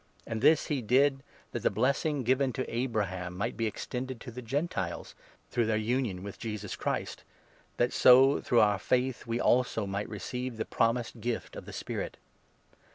And this he did that the blessing given to Abraham might be 14 extended to the Gentiles through their union with Jesus Christ ; that so, through our faith, we also might receive the promised gift of the Spirit.